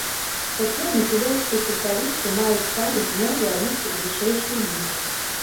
Цяпер магілёўскія футбалісты маюць шанец зноў вярнуцца ў вышэйшую лігу.